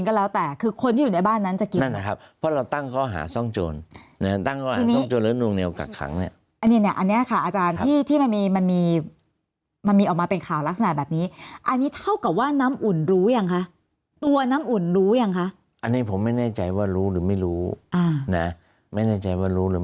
เขาเลยสั่งตั้งข้อหาส่วนที่เราสอบส่วนเพิ่มเติมให้ก็คือ